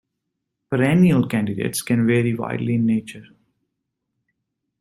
Perennial candidates can vary widely in nature.